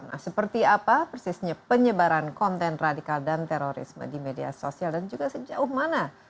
nah seperti apa persisnya penyebaran konten radikal dan terorisme di media sosial dan juga sejauh mana